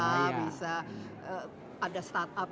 bisa ada startup